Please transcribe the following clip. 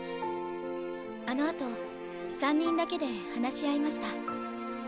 あのあと三人だけで話し合いました。